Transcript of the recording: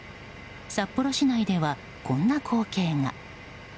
札幌市内ではこんな光景が。